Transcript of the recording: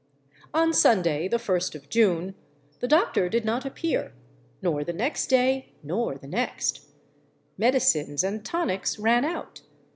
On Sunday, the first of June, the doctor did not appear; nor the next day, nor the next. Medicines and tonics ran out.